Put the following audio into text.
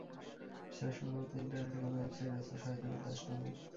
Sir, সম্ভবত ইন্টারনেটে কোন ওয়েবসাইট আছে, শয়তানের দাস নামে।